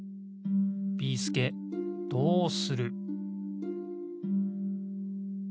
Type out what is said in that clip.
ビーすけどうする！？